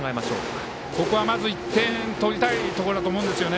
１点取りたいところだと思うんですよね。